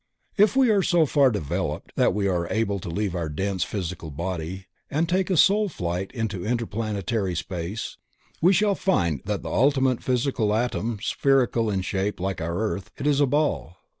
If we are so far developed that we are able to leave our dense physical body and take a soul flight into interplanetary space we shall find that the ultimate physical atom is spherical in shape like our earth; it is a ball.